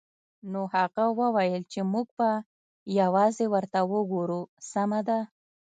نو هغه وویل چې موږ به یوازې ورته وګورو سمه ده